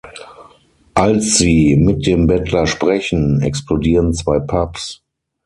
Als sie mit dem Bettler sprechen, explodieren zwei Pubs.